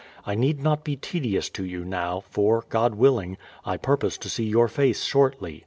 I need not be tedious to you now, for, God willing, I purpose to see your face shortly.